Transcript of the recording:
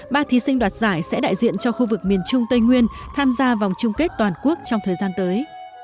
ba thí sinh đoạt giải sẽ đại diện cho khu vực miền trung tây nguyên tham gia vòng chung kết toàn quốc trong thời gian tới